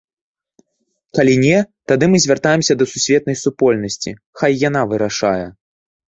Калі не, тады мы звяртаемся да сусветнай супольнасці, хай яна вырашае.